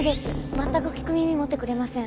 全く聞く耳持ってくれません。